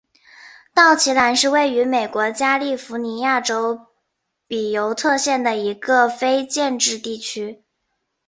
道奇兰是位于美国加利福尼亚州比尤特县的一个非建制地区。